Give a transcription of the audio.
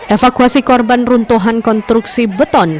evakuasi korban runtuhan konstruksi beton